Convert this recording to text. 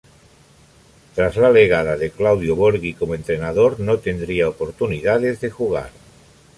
Tras la legada de Claudio Borghi como entrenador, no tendría oportunidades de jugar.